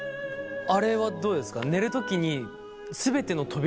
あれはどうですか？